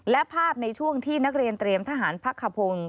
และภาพในช่วงที่นักเรียนเตรียมทหารพักขพงศ์